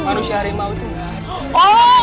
manusia harimau itu gak ada